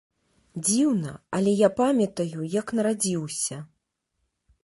Дзіўна, але я памятаю, як нарадзіўся.